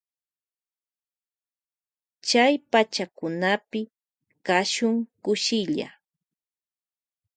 Chay pachakunapi kashun kushilla.